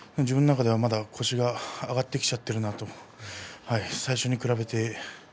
自分の中ではまだ腰が上がってきちゃっているなと最初に比べて。